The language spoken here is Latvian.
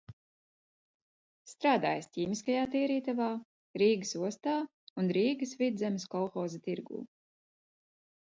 Strādājis ķīmiskajā tīrītavā, Rīgas ostā un Rīgas Vidzemes kolhoza tirgū.